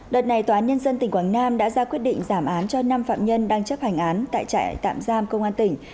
đợt này tòa án nhân dân tỉnh quảng nam đã ra quyết định giảm án cho năm phạm nhân đang chấp hành án tại trại tạm giam công an tỉnh